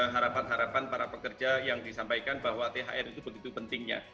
harapan harapan para pekerja yang disampaikan bahwa thr itu begitu pentingnya